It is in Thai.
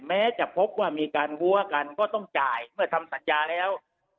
แม้จะพบว่ามีการวัวกันก็ต้องจ่ายเมื่อทำสัญญาแล้ว